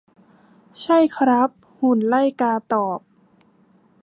ใช่ครับ หุ่นไล่กาตอบ